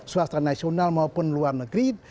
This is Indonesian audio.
swasta nasional maupun luar negeri